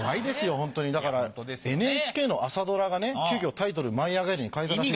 ホントにだからＮＨＫの朝ドラがね急きょタイトルを『舞いあがれ！』に変えたらしい。